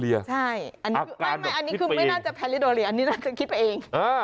อันนี้ไม่น่าจะแฮลดลีอะอันนี้น่าจะคิดที่ไปเอง